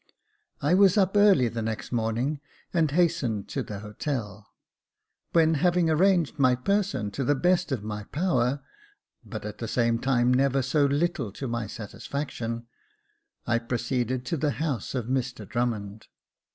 I was up early the next morning, and hastened to the hotel ; when having arranged my person to the best of my power (but at the same time never so little to my satisfac tion), I proceeded to the house of Mr Drummond.